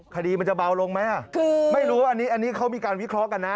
คดีมันจะเบาลงไหมอ่ะคือไม่รู้อันนี้อันนี้เขามีการวิเคราะห์กันนะ